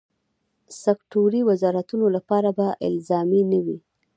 سکټوري وزارتونو لپاره به الزامي نه وي.